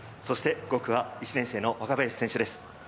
５区は１年生の若林選手です。